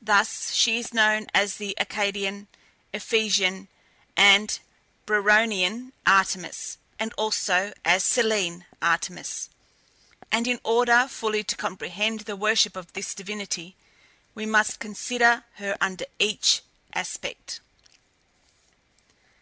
Thus she is known as the Arcadian, Ephesian and Brauronian Artemis, and also as Selene Artemis, and in order fully to comprehend the worship of this divinity, we must consider her under each aspect.